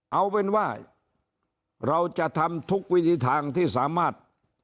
เอาเป็นว่าเราจะทำทุกวิธีทางที่สามารถ